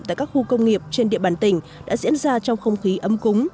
tại các khu công nghiệp trên địa bàn tỉnh đã diễn ra trong không khí ấm cúng